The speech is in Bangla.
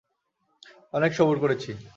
অনেক সবুর করেছি।